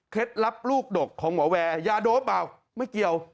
ลับลูกดกของหมอแวร์ยาโดปเปล่าไม่เกี่ยว